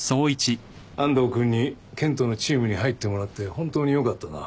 安藤君に健人のチームに入ってもらって本当によかったな。